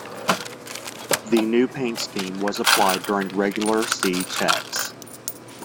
The new paint scheme was applied during regular C checks.